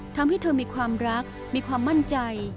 ทำให้เธอมีความรักมีความมั่นใจ